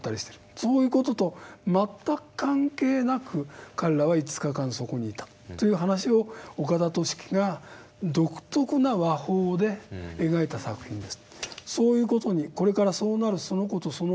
そういう事と全く関係なく彼らは５日間そこにいたという話を岡田利規が独特な話法で描いた作品です。